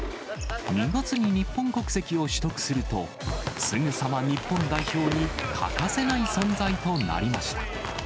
２月に日本国籍を取得すると、すぐさま日本代表に欠かせない存在となりました。